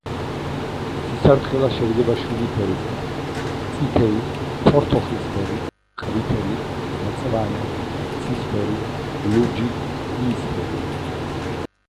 ცისარტყელა შედგება შვიდი ფერისგან: წითელი, ნარინჯისფერი, ყვითელი, მწვანე, ცისფერი, ლურჯი, იისფერი.